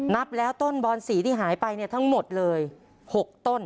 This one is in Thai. นับแล้วต้นบอนสีที่หายไปทั้งหมดเลย๖ต้น